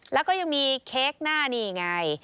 แล้วก็ยังมีเค้กหน้านี่ไง